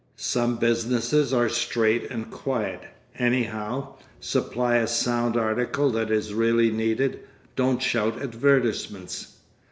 "Some businesses are straight and quiet, anyhow; supply a sound article that is really needed, don't shout advertisements."